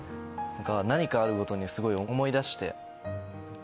何かあるごとにすごい思い出して。